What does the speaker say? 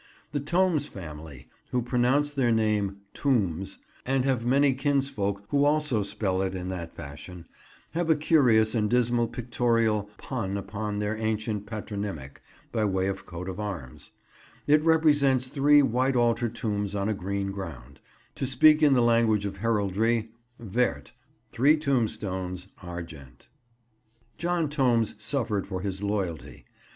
The Tomes family—who pronounce their name "Tombs," and have many kinsfolk who also spell it in that fashion—have a curious and dismal pictorial pun upon their ancient patronymic, by way of coat of arms. It represents three white altar tombs on a green ground; to speak in the language of heraldry: Vert, three tombstones argent. [Picture: Dining Room, Formerly the Kitchen, King's Lodge] John Tomes suffered for his loyalty.